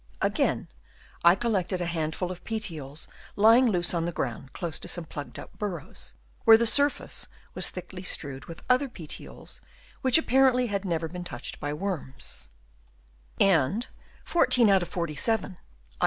Again, I collected a handful of petioles lying loose on the ground close to some plugged up bur rows, where the surface was thickly strewed with other petioles which apparently had never been touched by worms ; and 14 out of 47 (i.